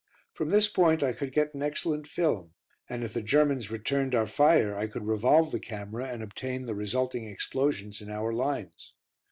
From this point I could get an excellent film, and if the Germans returned our fire I could revolve the camera and obtain the resulting explosions in our lines.